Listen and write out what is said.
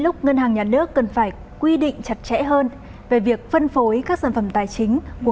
lúc ngân hàng nhà nước cần phải quy định chặt chẽ hơn về việc phân phối các sản phẩm tài chính của